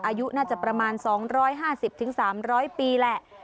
อายุน่าจะประมาณ๒๕๐๓๐๐ปีแหละ